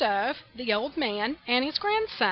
THE OLD MAN AND HIS GRANDSON.